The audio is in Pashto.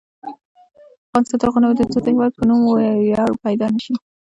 افغانستان تر هغو نه ابادیږي، ترڅو د هیواد په نوم مو ویاړ پیدا نشي.